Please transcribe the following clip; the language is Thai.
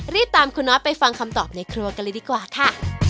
รีบตามคุณนอทไปฟังคำตอบในครัวกันเลยดีกว่าค่ะ